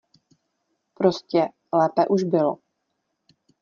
Prostě - lépe už bylo.